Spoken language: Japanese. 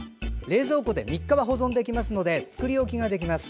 冷蔵庫で３日は保存できるので作り置きができます。